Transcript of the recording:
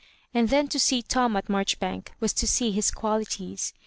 And then to see Tom at Mareh bank was to see his qualities.